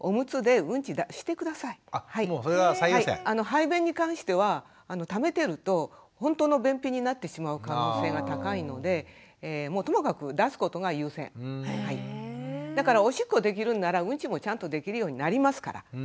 排便に関してはためてるとほんとの便秘になってしまう可能性が高いのでだからおしっこできるんならうんちもちゃんとできるようになりますから。